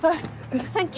サンキュー。